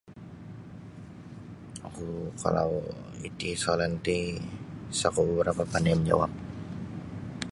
Oku kalau iti soalan ti sa ku barapa' pandai manjawab.